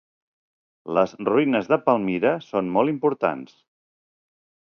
Les ruïnes de Palmira són molt importants.